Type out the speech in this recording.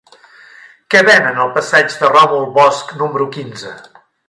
Què venen al passatge de Ròmul Bosch número quinze?